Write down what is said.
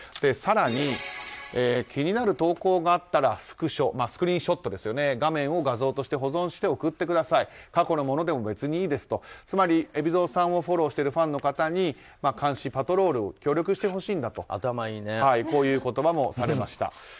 更に、気になる投稿があったらスクショスクリーンショット画面を画像として保存して送ってください過去のものでも別にいいですとつまり、海老蔵さんをフォローしているファンの方に監視、パトロールに協力してほしいだとこういう言葉もされました。